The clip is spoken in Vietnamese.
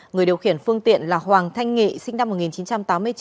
người điều khiển phương tiện là hoàng thanh nghị sinh năm một nghìn chín trăm tám mươi chín